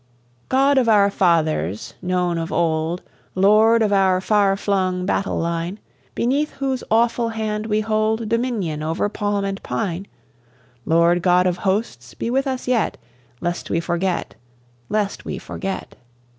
God of our fathers, known of old Lord of our far flung battle line Beneath whose awful Hand we hold Dominion over palm and pine Lord God of Hosts, be with us yet, Lest we forget lest we forget!